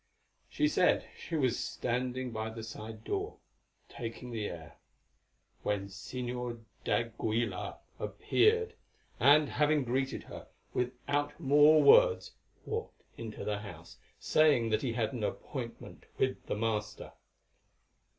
She said she was standing by the side door, taking the air, when Señor d'Aguilar appeared, and, having greeted her, without more words walked into the house, saying that he had an appointment with the master.